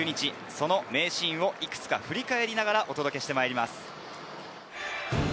その名シーンをいくつか振り返りながらお届けしていきます。